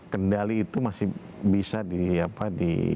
kendali itu masih bisa di